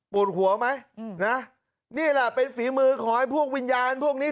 หัวไหมนะนี่แหละเป็นฝีมือขอให้พวกวิญญาณพวกนี้